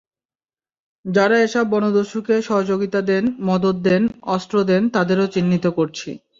যাঁরা এসব বনদস্যুকে সহযোগিতা দেন, মদদ দেন, অস্ত্র দেন, তাঁদেরও চিহ্নিত করছি।